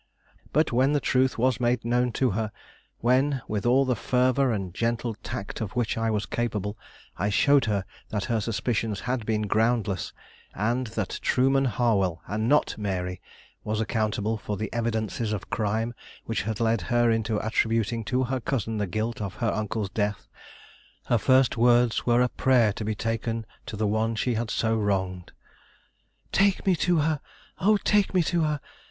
But when the truth was made known to her; when, with all the fervor and gentle tact of which I was capable, I showed her that her suspicions had been groundless, and that Trueman Harwell, and not Mary, was accountable for the evidences of crime which had led her into attributing to her cousin the guilt of her uncle's death, her first words were a prayer to be taken to the one she had so wronged. "Take me to her! Oh, take me to her!